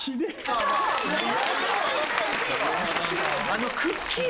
あのくっきー！